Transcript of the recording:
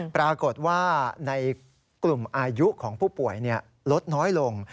ปรากฏว่าในกลุ่มอายุของผู้ป่วยลดน้อยลง